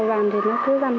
nó vàng thì nó cứ vàng